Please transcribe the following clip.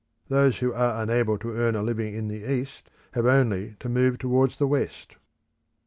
Those who are unable to earn a living in the east, have only to move towards the west.